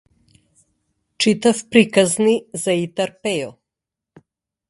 Читав приказни за Итар Пејо.